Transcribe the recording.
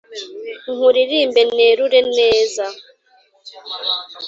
Nkuririmbe nerure neza